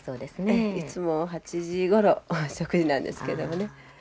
ええいつも８時ごろ食事なんですけどもね。